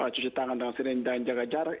cuci tangan dengan sinen dan jaga jarak